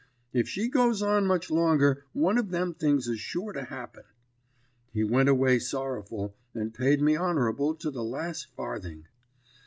If she goes on much longer, one of them things is sure to happen.' He went away sorrowful, and paid me honourable to the last farthing.